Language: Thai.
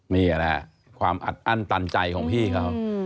นี่อะแหละความอันต่านใจของพี่เขา